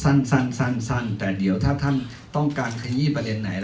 ตอนนี้ผมอาจจะพูดสั้นแต่เดี่ยวถ้าท่านต้องการขยี้แปรเลนท์ไหน